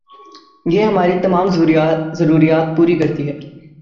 یہ ہماری تمام ضروریات پوری کرتی ہے